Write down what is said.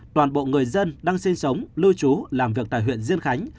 toàn bộ người dân đang sinh sống lưu trú làm việc tại huyện diên khánh